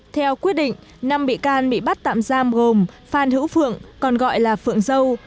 theo quyết định năm bị can bị bắt tạm giam gồm phan hữu phượng còn gọi là phượng dâu